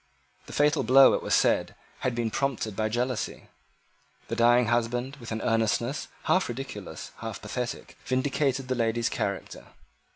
The fatal blow, it was said, had been prompted by jealousy. The dying husband, with an earnestness, half ridiculous, half pathetic, vindicated the lady's character.